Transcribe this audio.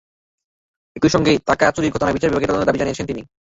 একই সঙ্গে টাকা চুরির ঘটনার বিচার বিভাগীয় তদন্তের দাবি জানিয়েছেন তিনি।